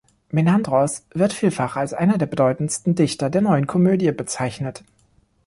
Menandros wird vielfach als einer der bedeutendsten Dichter der Neuen Komödie bezeichnet.